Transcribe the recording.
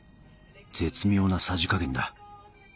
絶妙なさじ加減だ。